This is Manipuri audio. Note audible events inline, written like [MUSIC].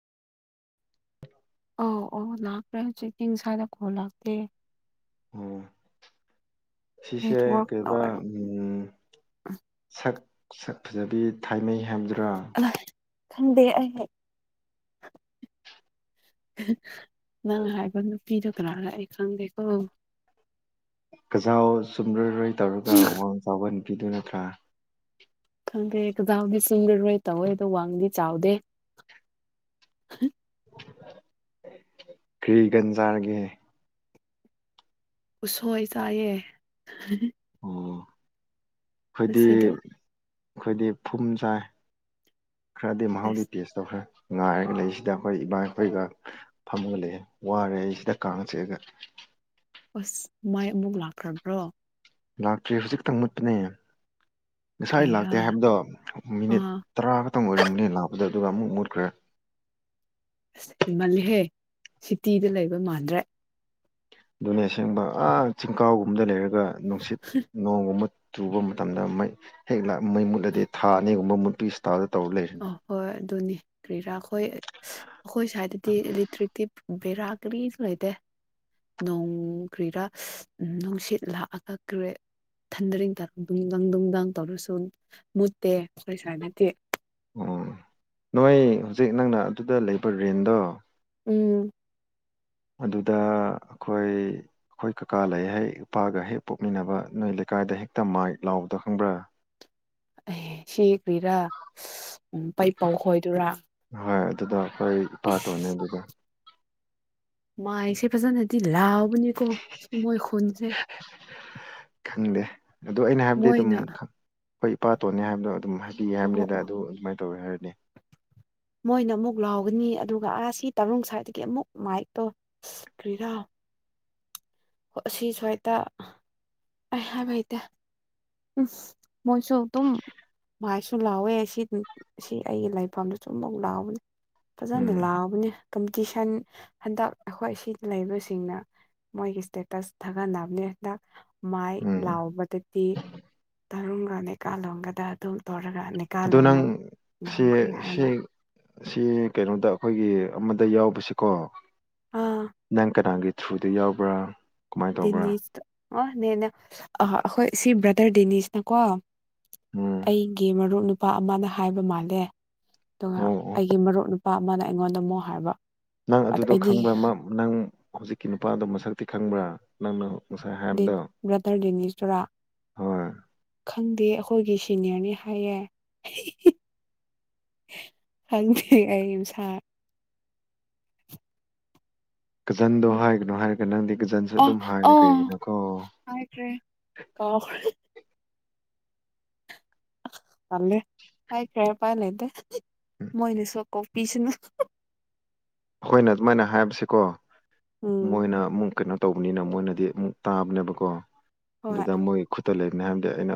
ꯑꯧ ꯑꯧ ꯂꯥꯛꯄ꯭ꯔ [UNINTELLIGIBLE] ꯈꯣꯂꯛꯇꯦ ꯑꯣ ꯁꯤꯁꯦ ꯅꯦꯠꯋꯥꯔꯛꯅ ꯀꯩꯕ ꯑꯣꯏꯔꯝ ꯎꯝ ꯁꯛ ꯁꯛ ꯐꯖꯕꯤ ꯊꯥꯏꯃꯩ [UNINTELLIGIBLE] ꯑꯏ ꯈꯪꯗꯦ ꯑꯩ [UNINTELLIGIBLE] ꯅꯪ ꯍꯥꯏꯕ ꯅꯨꯄꯤꯗꯨ ꯀꯅꯥꯅꯣ ꯑꯩ ꯈꯪꯗꯦꯀꯣ ꯀꯩꯖꯥꯎ ꯆꯨꯝꯔꯣꯏꯔꯣꯏ ꯇꯧꯔꯒ ꯋꯥꯃꯡ ꯆꯥꯎꯕꯟ ꯄꯤꯗꯨ ꯅꯠꯇ꯭ꯔꯥ ꯈꯪꯗꯦ [UNINTELLIGIBLE] ꯇꯧꯋꯦ ꯑꯗꯣ ꯋꯥꯡꯗꯤ ꯆꯥꯎꯗꯦ ꯀ꯭ꯔꯤ ꯒꯟꯖꯥ ꯒꯤ ꯎꯁꯣꯏ ꯆꯥꯏꯌꯦ ꯑꯨꯝ ꯍꯥꯏꯗꯤ ꯉꯁꯤꯗꯨ ꯑꯩꯈꯣꯏꯗꯤ ꯊꯨꯝ ꯆꯥꯏ ꯈꯔꯗꯤ ꯃꯍꯥꯎꯗꯤ ꯑꯁ ꯇꯦꯁ ꯇꯧꯈ꯭ꯔꯦ ꯉꯥꯏꯔꯒ ꯂꯩꯁꯤꯗ ꯑꯩꯈꯣꯏ ꯏꯃꯥꯈꯣꯏꯒ ꯐꯝꯃꯒ ꯂꯩꯑꯦ ꯋꯥꯔꯦ ꯑꯩꯁꯤꯗ ꯀꯥꯡ ꯆꯤꯛꯑꯒ ꯑꯁ ꯃꯥꯏ ꯑꯃꯨꯛ ꯂꯥꯛꯈ꯭ꯔꯕ꯭ꯔꯣ ꯂꯥꯛꯇ꯭ꯔꯤ ꯍꯧꯖꯤꯛꯇ ꯃꯨꯠꯄꯅꯦ ꯉꯁꯥꯏ ꯀꯔꯤꯔꯥ ꯂꯥꯛꯇꯦ ꯍꯥꯏꯕꯗꯣ ꯃꯤꯅꯤꯠ ꯑꯥ ꯇꯔꯥ ꯈꯛꯇꯪ ꯑꯣꯏꯔꯝꯅꯤ ꯂꯥꯛꯄꯗ ꯑꯗꯨꯒ ꯑꯃꯨꯛ ꯃꯨꯠꯈ꯭ꯔꯦ ꯑꯁ ꯍꯦꯟꯃꯜꯂꯦꯍꯦ ꯁꯤꯇꯤꯗ ꯂꯩꯕ ꯃꯥꯟꯗ꯭ꯔꯦ ꯑꯗꯨꯅꯦ ꯑꯁꯦꯡꯕ ꯑ ꯆꯤꯡꯀꯥꯎꯒꯨꯝꯗ ꯂꯩꯔ ꯑꯗꯨꯒ ꯅꯨꯡꯁꯤꯠ ꯅꯣꯡꯒꯨꯝꯕ ꯆꯨꯕ ꯃꯇꯝꯗ ꯃꯩ ꯍꯦꯛ ꯃꯩ ꯃꯨꯠꯂꯗꯤ ꯊꯥ ꯑꯅꯤꯒꯨꯝꯕ ꯃꯨꯠꯄꯤ ꯏꯁꯇꯥꯏꯜ ꯑ ꯍꯣꯏ ꯑꯗꯨꯅꯤ ꯀꯔꯤꯔꯥꯈꯣꯏ ꯑꯈꯣꯏ ꯁꯥꯏꯗꯗꯤ ꯏꯂꯦꯇ꯭ꯔꯤꯛꯇꯤꯞ ꯕꯦꯔꯥ ꯀꯔꯤꯁꯨ ꯂꯩꯇꯦ ꯅꯣꯡ ꯀꯔꯤꯔꯥ ꯎꯝ ꯅꯨꯡꯁꯤꯠ ꯂꯥꯛꯑꯒ ꯀꯔꯦ ꯊꯟꯗꯔꯤꯡ ꯅꯨꯡꯗꯥꯡ ꯅꯨꯡꯗꯥꯡ ꯇꯧꯔꯁꯨ ꯃꯨꯠꯇꯦ ꯑꯈꯣꯏ ꯁ꯭꯭ꯥꯋꯥꯏꯗꯤ ꯑꯣ ꯅꯣꯏ ꯍꯧꯖꯤꯛ ꯅꯪꯅ ꯑꯗꯨꯗ ꯂꯩꯕ ꯔꯦꯟꯗꯣ ꯎꯝ ꯑꯗꯨꯗ ꯑꯈꯣꯏ ꯑꯈꯣꯏ ꯀꯀꯥ ꯂꯩ ꯍꯦꯛ ꯏꯄꯥꯒ ꯍꯦꯛ ꯄꯣꯛꯃꯤꯟꯅꯕ ꯅꯣꯏ ꯂꯩꯀꯥꯏꯗ ꯍꯦꯛꯇ ꯃꯥꯏꯛ ꯂꯥꯎꯕꯗꯨ ꯈꯪꯕ꯭ꯔꯥ ꯑꯦ ꯁꯤ ꯀ꯭ꯔꯤꯔꯥ ꯎꯝ ꯄꯩꯄꯥꯎ ꯈꯣꯏꯗꯨꯔꯥ ꯍꯣꯏ ꯑꯗꯨꯗꯣ ꯍꯣꯏ ꯏꯄꯥ ꯇꯣꯅꯦ ꯑꯗꯨꯗ ꯃꯥꯏꯁꯦ ꯐꯖꯅꯗꯤ ꯂꯥꯎꯕꯅꯤ ꯀꯣ ꯃꯣꯏ ꯈꯨꯨꯟꯁꯤ ꯈꯪꯗꯦ ꯃꯣꯏꯅ ꯍꯣꯏ ꯏꯄꯥꯇꯣꯟꯅꯤ ꯍꯥꯏꯕꯗꯣ ꯑꯗꯨꯝ ꯍꯥꯏꯕꯤ ꯑꯣ ꯍꯥꯏꯕꯅꯤꯗ ꯑꯣ ꯑꯗꯨ ꯑꯗꯨꯃꯥꯏꯅ ꯇꯧꯋꯦ ꯍꯥꯏꯔꯗꯤ ꯃꯣꯏꯅ ꯑꯃꯨꯛ ꯂꯥꯎꯒꯅꯤ ꯑꯗꯨꯒ ꯑꯥ ꯁꯤ ꯇꯔꯨꯡ ꯁ꯭ꯋꯥꯏꯗꯒꯤ ꯑꯃꯨꯛ ꯃꯥꯏꯛꯇꯣ ꯀ꯭ꯔꯤꯔꯥ ꯑꯁꯤ ꯁ꯭ꯋꯥꯏꯗ ꯑꯩ ꯍꯥꯏꯕ ꯍꯩꯇꯦ ꯎꯝ ꯃꯣꯏꯁꯨ ꯑꯗꯨꯝ ꯃꯥꯏꯁꯨ ꯂꯥꯎꯋꯦ ꯁꯤ ꯁꯤ ꯑꯩꯒꯤ ꯂꯩꯐꯝꯗꯨꯁꯨꯨꯝꯐꯥꯎ ꯂꯥꯎꯕꯅꯦ ꯐꯖꯅ ꯎꯝ ꯂꯥꯎꯕꯅꯦ ꯀꯝꯄꯤꯇꯤꯁꯟ ꯍꯟꯗꯛ ꯑꯩꯈꯣꯏ ꯁꯤꯗ ꯂꯩꯕꯁꯤꯡꯅ ꯃꯣꯏꯒꯤ ꯁꯇꯦꯇꯁ ꯊꯒꯠꯅꯕꯅꯦ ꯃꯥꯏ ꯎꯝ ꯂꯥꯎꯑꯣꯕꯗꯤ ꯇꯔꯨꯡꯒ ꯅꯤꯀꯥꯂꯣꯝꯒꯗ ꯑꯗꯨꯝ ꯇꯧꯔꯛ ꯅꯠꯇꯔꯒ ꯅꯤꯀꯥ ꯑꯗꯨ ꯅꯪ ꯂꯣꯡꯅ ꯁꯤ ꯉꯝꯈ꯭ꯔꯦ ꯁꯤ ꯍꯥꯏꯅ ꯁꯤ ꯀꯩꯅꯣꯗ ꯑꯩꯈꯣꯏꯒꯤ ꯑꯃꯗ ꯌꯥꯎꯕꯁꯤꯀꯣ ꯑꯥ ꯅꯪ ꯀꯥꯅꯥꯒꯤ ꯊ꯭ꯔꯨꯗ ꯌꯥꯎꯕ꯭ꯔꯥ ꯀꯃꯥꯏꯅ ꯇꯧꯕ꯭ꯔꯥ ꯗꯤꯅꯦꯁꯇꯥ ꯑꯅꯤꯅꯦ ꯑ ꯑꯩꯈꯣꯏ ꯁꯤ ꯕ꯭ꯔꯗꯔ ꯗꯦꯅꯤꯁꯅꯀꯣ ꯎꯝ ꯑꯩꯒꯤ ꯃꯔꯨꯞ ꯅꯨꯄꯤ ꯅꯨꯄꯥ ꯑꯃꯅ ꯍꯥꯏꯕ ꯃꯥꯜꯂꯦ ꯑꯗꯨꯒ ꯑꯣ ꯑꯣ ꯑꯩꯒꯤ ꯃꯔꯨꯞ ꯅꯨꯄꯥ ꯅꯨꯄꯥ ꯑꯃꯅ ꯑꯩꯉꯣꯟꯗ ꯑꯃꯨꯛ ꯍꯥꯏꯕ ꯅꯪ ꯑꯗ ꯑꯗꯨꯗꯣ ꯑꯩꯗꯤ ꯈꯪꯕ꯭ꯔꯥ ꯅꯪ ꯍꯧꯖꯤꯛꯀꯤ ꯅꯨꯄꯥꯗꯣ ꯃꯁꯛꯇꯤ ꯈꯪꯕ꯭ꯔꯥ ꯅꯪ ꯕ꯭ꯔꯗꯔ ꯗꯤꯅꯦꯁ ꯇꯨꯔꯥ ꯍꯣꯏ ꯈꯪꯗꯦ ꯑꯩꯈꯣꯏꯒꯤ ꯁꯤꯅꯤꯌꯔꯅꯤ ꯍꯥꯏꯌꯦ ꯈꯪꯗꯦ ꯑꯩ [INAUDIBLE] ꯒꯖꯟꯗꯣ ꯍꯥꯏꯒꯅꯣ ꯍꯥꯏꯔꯒ ꯅꯪꯗꯤ ꯖꯟꯁꯨ ꯑꯣ ꯑꯗꯨꯝ ꯍꯥꯏꯔꯦ ꯑꯣ ꯀꯩꯒꯤꯅꯣꯀꯣ ꯍꯥꯏꯈ꯭ꯔꯦ ꯀꯥꯎꯈ꯭ꯔꯦ ꯎꯝ [INAUDIBLE] ꯑꯩꯈꯣꯏꯅ ꯑꯗꯨꯃꯥꯏꯅ ꯍꯥꯏꯕꯁꯤꯀꯣ ꯎꯝ ꯃꯣꯏꯅ ꯃꯨꯛ ꯀꯩꯅꯣ ꯇꯧꯕꯅꯤꯅ ꯃꯣꯏꯅꯗꯤ ꯑꯃꯨꯛ ꯇꯥꯕꯅꯦꯕꯀꯣ ꯍꯣꯏ ꯑꯗꯨꯗ ꯃꯣꯏ ꯂꯩꯅꯦ ꯍꯥꯏꯕꯗꯤ ꯑꯩꯅ